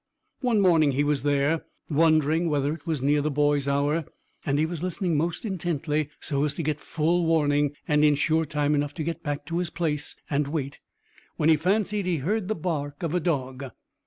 One morning he was there, wondering whether it was near the boy's hour, and he was listening most intently, so as to get full warning and insure time enough to go back to his place and wait, when he fancied he heard the bark of a dog.